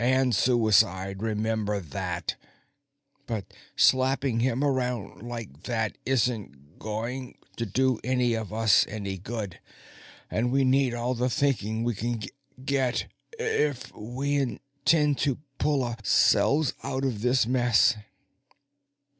And suicide remember that. "But slapping him around like that isn't going to do any of us any good, and we need all the thinking we can get if we intend to pull ourselves out of this mess.